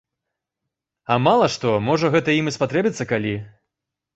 А мала што, можа, гэта ім і спатрэбіцца калі.